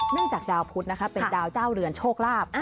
เนื่องจากดาวพุทธเป็นดาวเจ้าเรือนโชคลาบ